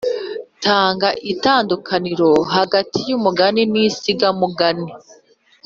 Tanga itandukaniro hagati y’umugani n’insigamugani